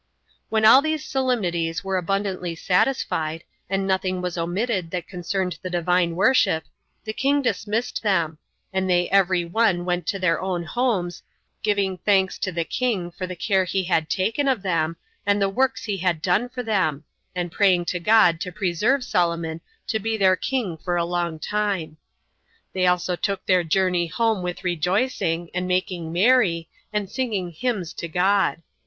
6. When all these solemnities were abundantly satisfied, and nothing was omitted that concerned the Divine worship, the king dismissed them; and they every one went to their own homes, giving thanks to the king for the care he had taken of them, and the works he had done for them; and praying to God to preserve Solomon to be their king for a long time. They also took their journey home with rejoicing, and making merry, and singing hymns to God.